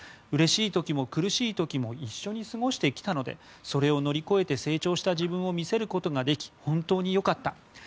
うれしい時も苦しい時も一緒に過ごしてきたのでそれを乗り越えて成長した自分を見せることができ本当に良かった。